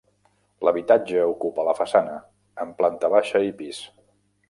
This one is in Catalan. L'habitatge ocupa la façana, en planta baixa i pis.